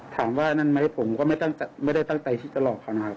ถามว่านั่นไหมผมก็ไม่ได้ตั้งใจที่จะหลอกเขานะครับ